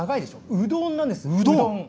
うどんなんです、うどん。